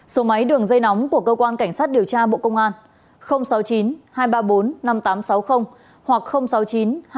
số máy đường dây nóng của cơ quan cảnh sát điều tra bộ công an sáu mươi chín hai trăm ba mươi bốn năm nghìn tám trăm sáu mươi hoặc sáu mươi chín hai trăm ba mươi hai một nghìn sáu trăm sáu mươi bảy